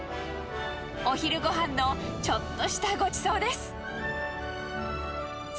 お昼ごはんのちょっとしたごちそうです。